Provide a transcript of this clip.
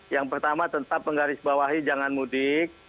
yang pertama tentang penggaris bawahi jangan mudik